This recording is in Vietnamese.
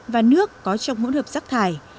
và nước có trong hỗn hợp rác thải